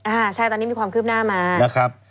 อ่าใช่ตอนนี้มีความคืบหน้ามา